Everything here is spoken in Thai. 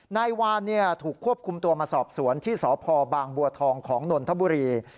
นายวานถูกควบคุมตัวมาสอบสวนที่สพบางบัวทองของนนทบุรี